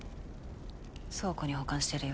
倉庫に保管してるよ。